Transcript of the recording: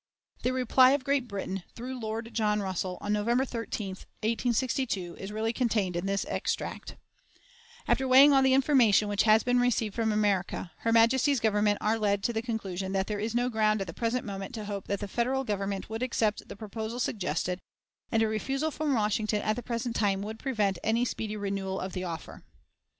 The reply of Great Britain, through Lord John Russell, on November 13, 1862, is really contained in this extract: "After weighing all the information which has been received from America, her Majesty's Government are led to the conclusion that there is no ground at the present moment to hope that the Federal Government would accept the proposal suggested, and a refusal from Washington at the present time would prevent any speedy renewal of the offer."